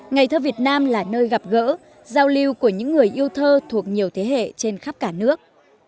ngày thơ việt nam là nơi gặp gỡ giao lưu của những người yêu thơ thuộc nhiều thế hệ trên khắp cả nước